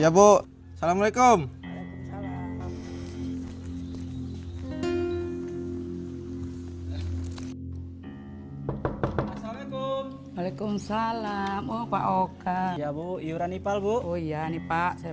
ya bu salamualaikum waalaikumsalam waalaikumsalam oh pak oka iya bu iuran nipal bu ya nih pak saya